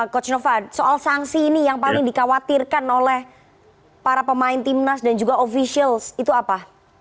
coach nova soal sanksi ini yang paling dikhawatirkan oleh para pemain timnas dan juga ofisial itu apa